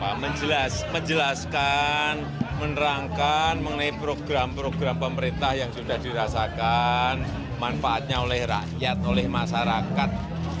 pak menjelaskan menerangkan mengenai program program pemerintah yang sudah dirasakan manfaatnya oleh rakyat oleh masyarakat